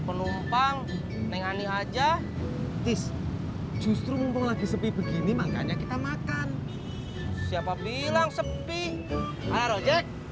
penumpang nengani aja justru lagi sepi begini makanya kita makan siapa bilang sepi arojek